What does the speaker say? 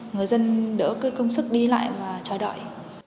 người dân đỡ công sức đi lại và chờ đợi